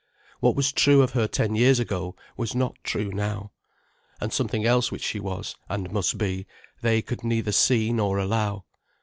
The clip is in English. What was true of her ten years ago was not true now. And something else which she was, and must be, they could neither see nor allow.